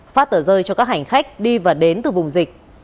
phát tờ rơi cho các hành khách đi và đến từ vùng dịch